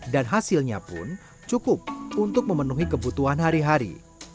dan hasilnya pun cukup untuk memenuhi kebutuhan hari hari